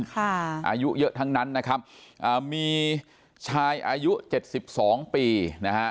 อายุเยอะทั้งนั้นนะครับอ่ามีชายอายุเจ็ดสิบสองปีนะฮะ